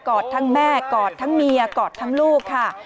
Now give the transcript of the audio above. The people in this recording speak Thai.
อดทั้งแม่กอดทั้งเมียกอดทั้งลูกค่ะ